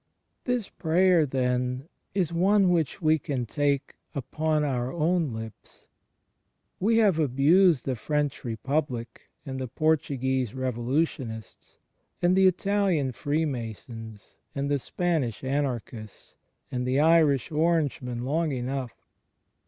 This prayer, then, is one which we can take upon our own lips. ... We have abused the French Republic and the Portuguese revolutionists, and the Italian Free masons, and the Spanish anarchists, and the Irish Orangemen long enough.